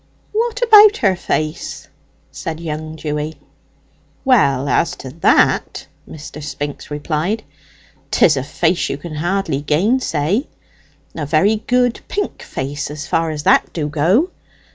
"What about her face?" said young Dewy. "Well, as to that," Mr. Spinks replied, "'tis a face you can hardly gainsay. A very good pink face, as far as that do go.